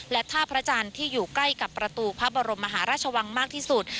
และท่าพระจันทร์ที่อยู่ใกล้กับประตูพระบรมมหาราชวังมากที่สุด